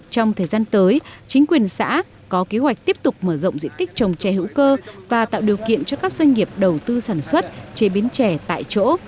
trong thời gian tới chính quyền xã có kế hoạch tiếp tục mở rộng diện tích trồng chè hữu cơ và tạo điều kiện cho các doanh nghiệp đầu tư sản xuất chế biến chè tại chỗ